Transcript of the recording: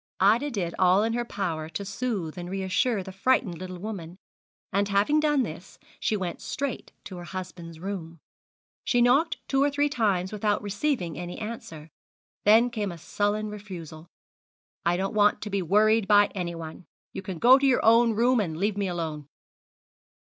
Ida did all in her power to soothe and reassure the frightened little woman, and, having done this, she went straight to her husband's room. She knocked two or three times without receiving any answer; then came a sullen refusal: 'I don't want to be worried by anyone. You can go to your own room, and leave me alone.'